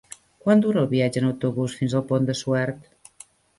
Quant dura el viatge en autobús fins al Pont de Suert?